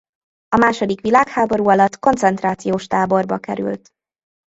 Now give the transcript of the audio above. A második világháború alatt koncentrációs táborba került.